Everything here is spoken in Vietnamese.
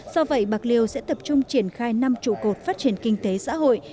do vậy bạc liêu sẽ tập trung triển khai năm trụ cột phát triển kinh tế xã hội